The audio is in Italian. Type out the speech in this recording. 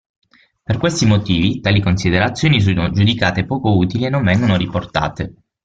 Per questi motivi, tali considerazioni sono giudicate poco utili e non vengono riportate.